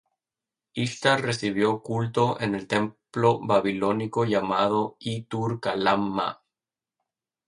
Ishtar recibió culto en el templo babilónico llamado E.tur.kalam.ma.